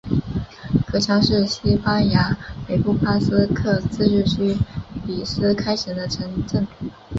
格乔是西班牙北部巴斯克自治区比斯开省的城镇。